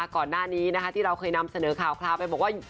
ก่อนหน้านี้ที่เราเคยนำเสนอข่าวไปบอกว่า